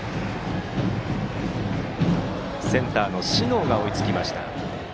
センターの小竹が追いつきました。